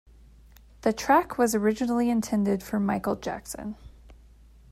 The track was originally intended for Michael Jackson.